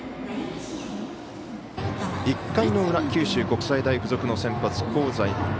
１回の裏、九州国際大付属の先発香西。